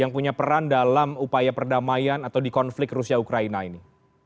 yang punya peran dalam upaya perdamaian atau di konflik rusia ukraina ini